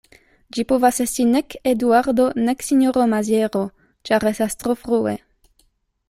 Ĝi povas esti nek Eduardo nek sinjoro Maziero; ĉar estas tro frue.